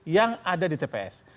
yang ada di tps